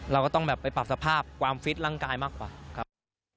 เราก็ต้องแบบไปปรับสภาพความฟิตร่างกายมากกว่าครับ